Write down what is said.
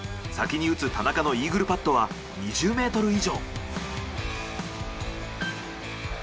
先に打つ田中のイーグルパットは２０ｍ以上。